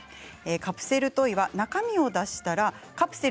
カプセルトイは中身を出したカプセル